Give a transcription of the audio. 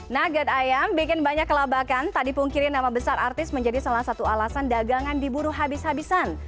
nugget ayam bikin banyak kelabakan tak dipungkiri nama besar artis menjadi salah satu alasan dagangan diburu habis habisan